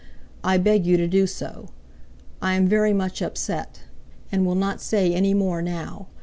I beg you to do so. I am very much upset, and will not say any more now.